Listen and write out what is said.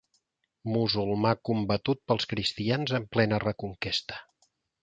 Musulmà combatut pels cristians en plena Reconquesta.